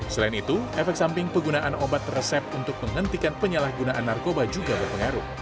selain itu efek samping penggunaan obat resep untuk menghentikan penyalahgunaan narkoba juga berpengaruh